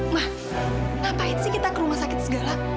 mah ngapain sih kita ke rumah sakit segala